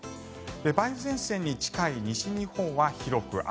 梅雨前線に近い西日本は広く雨。